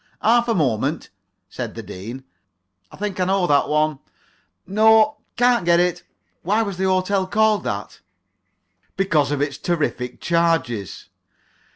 "Half a moment," said the Dean. "I think I know that one. No can't get it. Why was the hotel called that?" "Because of its terrific charges."